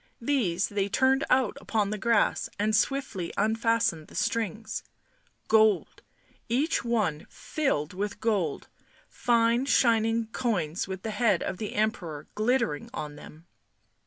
These they turned out upon the grass and swiftly unfastened the strings. Gold — each one filled with gold, fine, shining coins with the head of the Emperor glit tering on them.